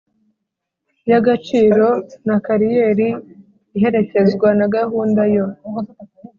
y agaciro na kariyeri iherekezwa na gahunda yo